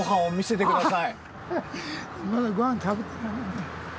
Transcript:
まだご飯食べてない。